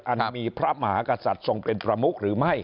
อันมีพระมหากษัตริย์ทรงเป็นประมุขหรือไม่